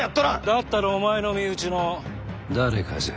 だったらお前の身内の誰かじゃ。